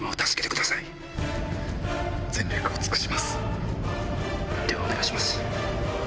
えっ？ではお願いします。